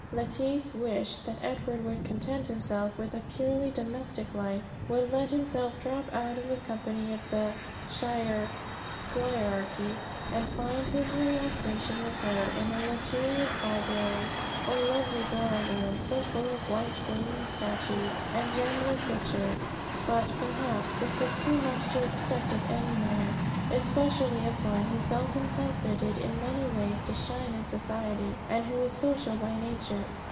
Lettice wished that Edward would content himself with a purely domestic life, would let himself drop out of the company of the shire squirearchy, and find his relaxation with her, in their luxurious library, or lovely drawing room, so full of white gleaming statues, and gems of pictures. But, perhaps, this was too much to expect of any man, especially of one who felt himself fitted in many ways to shine in society, and who was social by nature.